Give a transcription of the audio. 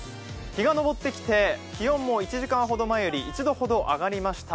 日が昇ってきて気温も１時間ほど前より１度ほど上がりました。